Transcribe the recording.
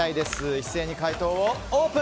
一斉に解答をオープン。